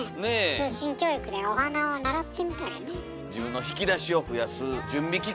通信教育でお花を習ってみたりね。